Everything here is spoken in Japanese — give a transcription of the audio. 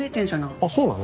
あっそうなの？